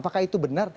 apakah itu benar